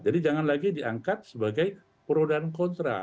jadi jangan lagi diangkat sebagai pro dan kontra